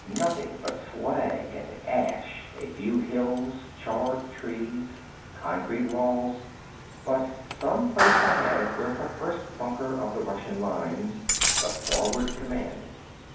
Nothing but slag and ash, a few hills, charred trees. Concrete walls. But someplace ahead was the first bunker of the Russian lines, the forward command.